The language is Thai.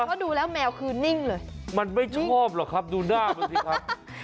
เพราะดูแล้วแมวคือนิ่งเลยมันไม่ชอบหรอกครับดูหน้ามันสิครับ